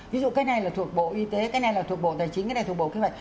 ví dụ cái này là thuộc bộ y tế cái này là thuộc bộ tài chính cái này là thuộc bộ kinh doanh